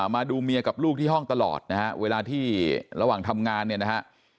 มาดูเมียกับลูกที่ห้องตลอดนะฮะเวลาที่ระหว่างทำงานเนี่ยนะฮะ